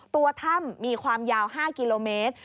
ตัวถ้ำมีความยาว๕กิโลเมตร